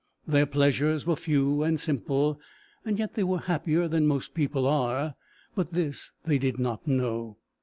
Their pleasures were few and simple; yet they were happier than most people are but this they did not know.